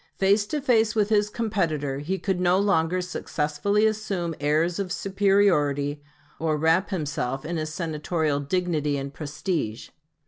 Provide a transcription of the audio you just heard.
Face to face with his competitor, he could no longer successfully assume airs of superiority, or wrap himself in his Senatorial dignity and prestige.